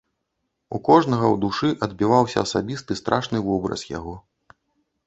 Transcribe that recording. У кожнага ў душы адбіваўся асабісты страшны вобраз яго.